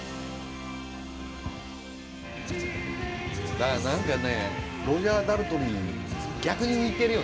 だから何かねロジャー・ダルトリー逆に浮いてるよね